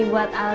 dan suatu halfah